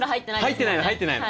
入ってないの入ってないの。